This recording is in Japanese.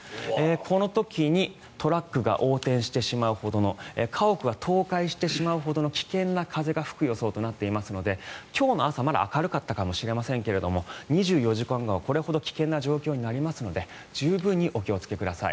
この時にトラックが横転してしまうほどの家屋が倒壊してしまうほどの危険な風が吹く予想となっていますので今日の朝、まだ明るかったかもしれませんけど２４時間後はこれほど危険な状況になりますので十分にお気をつけください。